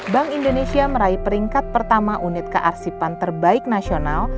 bank indonesia meraih peringkat pertama unit kearsipan terbaik nasional